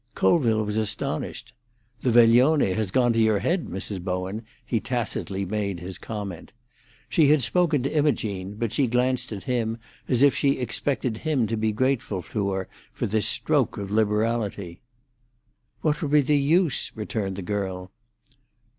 Colville was astonished. "The veglione has gone to your head, Mrs. Bowen," he tacitly made his comment. She had spoken to Imogene, but she glanced at him as if she expected him to be grateful to her for this stroke of liberality. "What would be the use?" returned the girl.